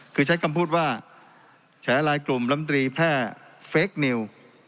คือใช้คำพูดว่าแฉลายกลุ่มลำตรีแพร่เฟคนิว